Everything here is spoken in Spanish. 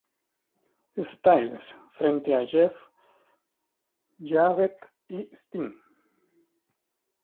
Styles frente a Jeff Jarrett y Sting.